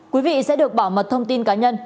quý vị sẽ được bảo mật thông tin cá nhân